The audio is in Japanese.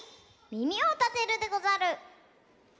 みみをたてるでござる。